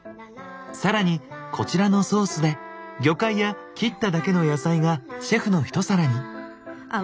さらにこちらのソースで魚介や切っただけの野菜がシェフのひと皿に。